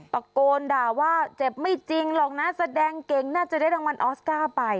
ตะโกนด่าว่าเจ็บไม่จริงหรอกนะแสดงเก่งน่าจะได้รางวัลออสการ์ไป